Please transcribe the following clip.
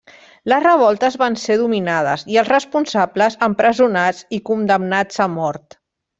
Les revoltes van ser dominades i els responsables empresonats i condemnats a mort.